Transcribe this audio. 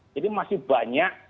jadi masih banyak